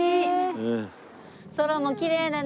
空もきれいだね。